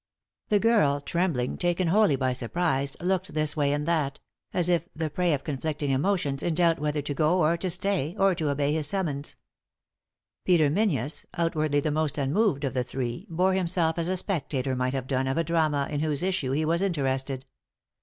The girl, trembling, taken wholly by surprise, looked this way and that ; as if, the prey of conflicting emotions, in doubt whether to go or to stay, or to obey his summons. Peter Menzies, outwardly the most unmoved of the three, bore himself as a spectator might have done of a drama in whose issue he was interested.